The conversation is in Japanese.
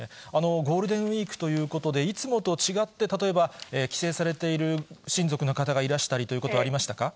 ゴールデンウィークということで、いつもと違って、例えば、帰省されている親族の方がいらしたりということはありましたか。